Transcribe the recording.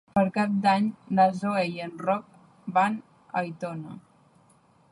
Per Cap d'Any na Zoè i en Roc van a Aitona.